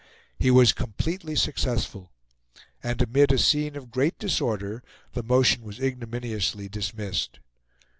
He was completely successful; and amid a scene of great disorder the motion was ignominiously dismissed.